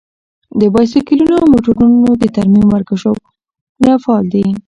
د بايسکلونو او موټرونو د ترمیم ورکشاپونه فعال دي.